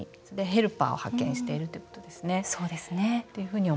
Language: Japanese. ヘルパーを派遣しているということですね。